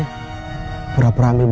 acil jangan kemana mana